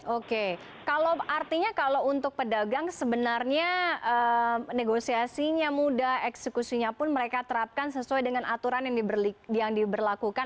oke artinya kalau untuk pedagang sebenarnya negosiasinya mudah eksekusinya pun mereka terapkan sesuai dengan aturan yang diberlakukan